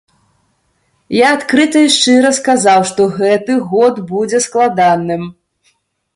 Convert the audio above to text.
Я адкрыта і шчыра сказаў, што гэты год будзе складаным.